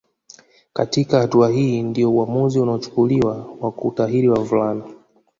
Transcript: katika hatua hii ndio uamuzi unachukuliwa wa kutahiri wavulana